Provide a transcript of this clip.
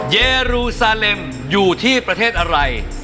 เยรูซาเลมอยู่ที่ประเทศอะไร